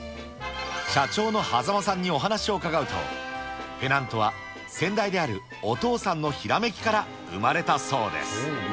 社長の間さんにお話を伺うと、ペナントは、先代であるお父さんのひらめきから生まれたそうです。